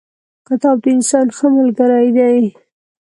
کتاب د انسان ښه ملګری دی.